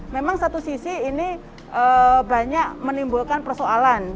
memang satu sisi ini banyak menimbulkan persoalan